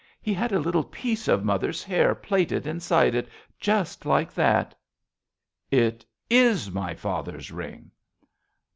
He had a little piece of mother's hair Plaited inside it, just like that. It is My father's ring.